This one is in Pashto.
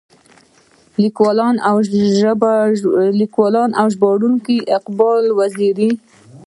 ليکوال او ژباړونکی اقبال وزيري.